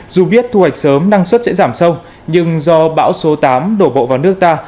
dù biết thu hoạch sớm năng suất sẽ giảm sâu nhưng do bão số tám đổ bộ vào nước ta